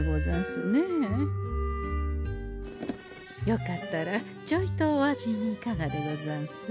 よかったらちょいとお味見いかがでござんす？